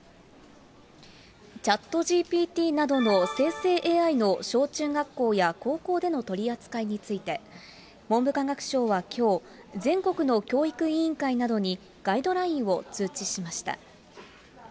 チャットＧＰＴなどの生成ＡＩの小中学校や高校での取り扱いについて、文部科学省はきょう、全国の教育委員会などにガイドラインを通知しました。